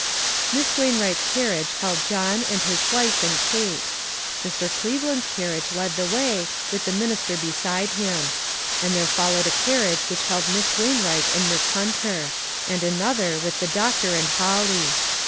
Miss Wainwright's carriage held John, and his wife and Kate. Mr. Cleveland's carriage led the way, with the minister beside him. And there followed a carriage which held Miss Wainwright and Miss Hunter. And another, with the docter and Holly.